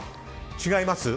違います？